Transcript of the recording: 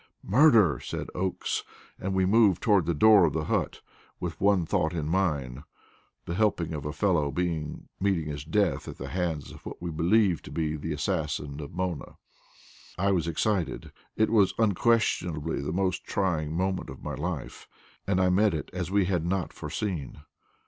"Murder!" said Oakes, and we moved toward the door of the hut with one thought in mind the helping of a fellow being meeting his death at the hands of what we believed to be the assassin of Mona. I was excited; it was unquestionably the most trying moment of my life, and I met it as we had not foreseen.